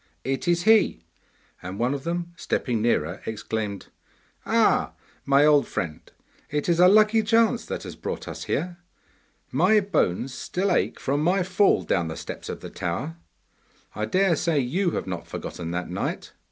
It is he!' and one of them stepping nearer exclaimed, 'Ah, my old friend! it is a lucky chance that has brought us here. My bones still ache from my fall down the steps of the tower. I dare say you have not forgotten that night!